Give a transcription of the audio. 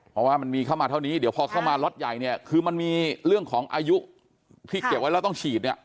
เพราะว่ามันมีเข้ามาเท่านี้เดี๋ยวพอเข้ามาล็อตใหญ่เนี่ยคือมันมีเรื่องของอายุที่เก็บไว้แล้วต้องฉีดเนี่ย